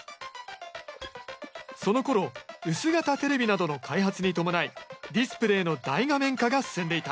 そのころ薄型テレビなどの開発に伴いディスプレーの大画面化が進んでいた。